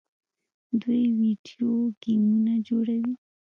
دوی ویډیو ګیمونه جوړوي.